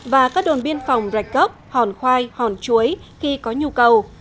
và các đồn biên phòng rạch gốc hòn khoai hòn chuối khi có nhu cầu